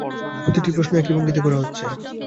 প্রতিটি প্রশ্ন একই ভঙ্গিতে করা হচ্ছে।